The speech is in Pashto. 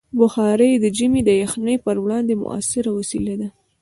بخاري د ژمي د یخنۍ پر وړاندې مؤثره وسیله ده.